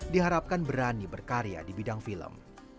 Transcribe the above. diharapkan berani berkarya di bidang film